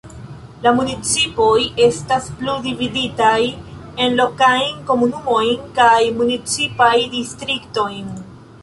Municipoj estas plu dividitaj en lokajn komunumojn kaj municipaj distriktojn.